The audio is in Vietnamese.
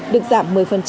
được giảm một mươi